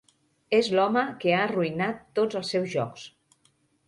És l'home que ha arruïnat tots els seus jocs.